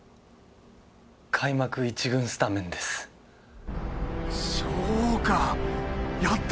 開幕一軍スタメンですそうかやったな！